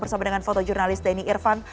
bersama dengan foto jurnalis denny irvan